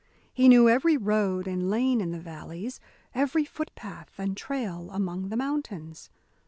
He knew every road and lane in the valleys, every footpath and trail among the mountains.